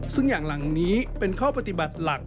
ซึ่งอย่างหลังนี้เป็นข้อปฏิบัติหลัก